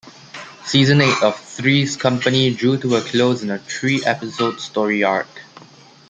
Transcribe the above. Season eight of "Three's Company" drew to a close in a three-episode story arc.